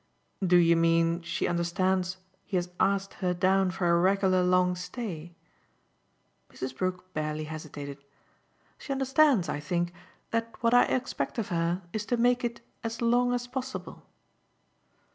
"Do you mean she understands he has asked her down for a regular long stay?" Mrs. Brook barely hesitated. "She understands, I think, that what I expect of her is to make it as long as possible."